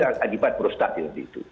ada adibat prostat seperti itu